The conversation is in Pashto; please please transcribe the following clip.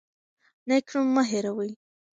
نیک نوم مه هیروئ.